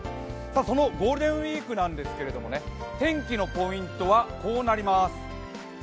そのゴールデンウイークなんですけど、天気のポイントはこうなります。